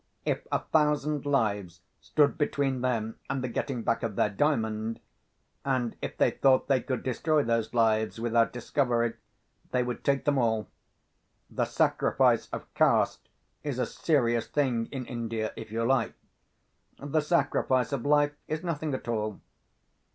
If a thousand lives stood between them and the getting back of their Diamond—and if they thought they could destroy those lives without discovery—they would take them all. The sacrifice of caste is a serious thing in India, if you like. The sacrifice of life is nothing at all."